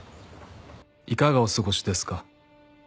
「いかがお過ごしですか？」